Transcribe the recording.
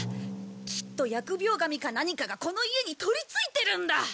きっと疫病神か何かがこの家に取りついてるんだ！